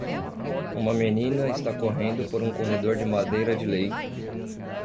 Uma menina está correndo por um corredor de madeira de lei